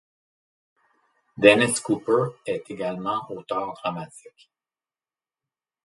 Dennis Cooper est également auteur dramatique.